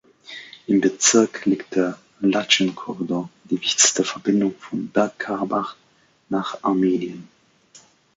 Im Bezirk liegt der Latschin-Korridor, die wichtigste Verbindung von Bergkarabach nach Armenien.